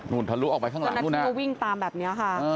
นั่นก็วิ่งตามแบบนี้ค่ะ